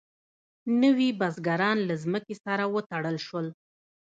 نوي بزګران له ځمکې سره وتړل شول.